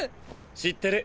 知ってる。